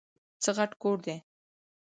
څه غټ کور دی ؟!